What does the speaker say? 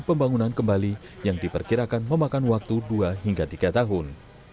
dan pembangunan kembali yang diperkirakan memakan waktu dua hingga tiga tahun